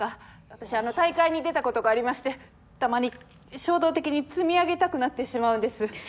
私あの大会に出たことがありましてたまに衝動的に積み上げたくなってしまうんです。